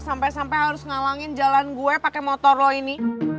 sampai sampai harus ngalangin jalan gue pakai motor lo ini